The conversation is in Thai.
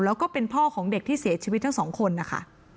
แล้วก็เป็นพ่อของเด็กที่เสียชีวิตทั้งสองคนนะคะ